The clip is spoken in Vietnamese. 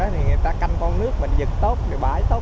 người ta canh con nước dựng tốt bãi tốt